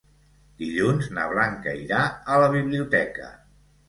Dilluns na Blanca irà a la biblioteca.